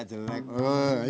sama centini kayak begitu ya